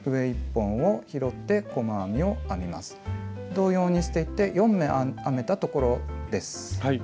同様にしていって４目編めたところです。